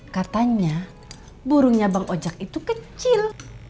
katanya burungnya bang ojek itu kecil